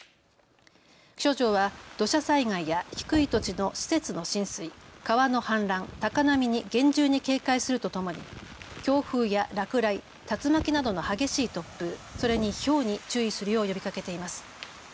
気象庁は土砂災害や低い土地の施設の浸水、川の氾濫、高波に厳重に警戒するとともに強風や落雷、竜巻などの激しい突風、それにひょうに注意するよう呼びかけています。